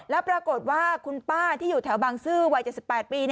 แล้วปรากฏว่าคุณป้าที่อยู่แถวบางซื่อวัย๗๘ปี